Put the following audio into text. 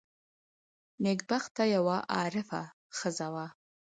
نېکبخته یوه عارفه ښځه وه.